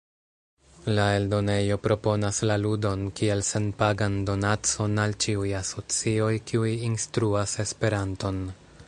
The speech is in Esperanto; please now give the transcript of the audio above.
La eldonejo proponas la ludon kiel senpagan donacon al ĉiuj asocioj kiuj instruas Esperanton.